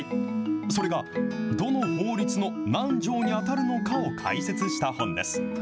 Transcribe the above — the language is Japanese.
それがどの法律の何条に当たるのかを解説した本です。